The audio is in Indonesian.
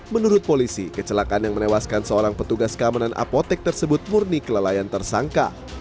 menurut polisi kecelakaan yang menewaskan seorang petugas keamanan apotek tersebut murni kelalaian tersangka